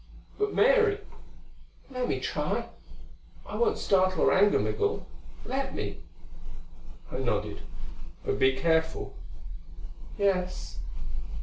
"But Mary " "Let me try. I won't startle or anger Migul. Let me." I nodded. "But be careful." "Yes."